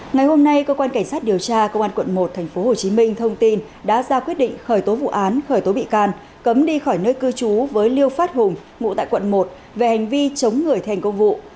ngày hôm nay cơ quan cảnh sát điều tra công an quận một tp hcm thông tin đã ra quyết định khởi tố vụ án khởi tố bị can cấm đi khỏi nơi cư trú với liêu phát hùng ngụ tại quận một về hành vi chống người thi hành công vụ